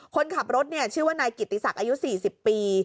คนขับรถชื่อว่านายกิติศักดิ์อายุ๔๐ปี